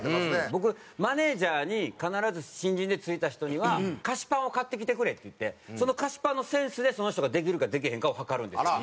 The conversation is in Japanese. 僕マネジャーに必ず新人でついた人には「菓子パンを買ってきてくれ」って言ってその菓子パンのセンスでその人ができるかできへんかを測るんですよ。